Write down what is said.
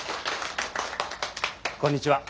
こんにちは。